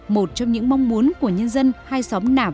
một trong những mong muốn của nhân dân hai xóm nà bằng